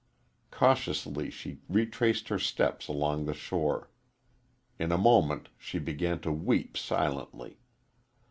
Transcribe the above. Cautiously she retraced her steps along the shore. In a moment she' began to weep silently.